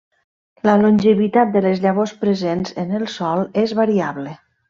La longevitat de les llavors presents en el sòl és variable.